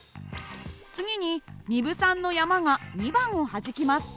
次に壬生さんの山が２番をはじきます。